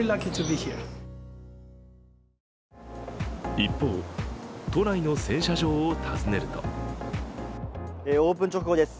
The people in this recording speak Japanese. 一方、都内の洗車場を訪ねるとオープン直後です。